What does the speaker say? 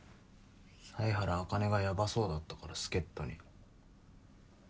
犀原茜がヤバそうだったから助っ人に。